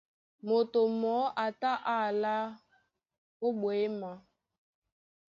Moto mɔɔ́ a tá á alá ó ɓwěma.